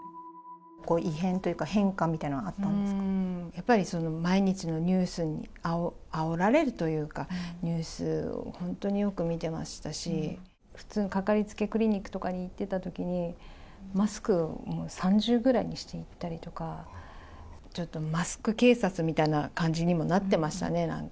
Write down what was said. こう、異変というか、やっぱり、毎日のニュースにあおられるというか、ニュースを本当によく見てましたし、かかりつけのクリニックとかに行ってたときに、マスクを三重ぐらいにして行ったりとか、ちょっとマスク警察みたいな感じにもなってましたね、なんか。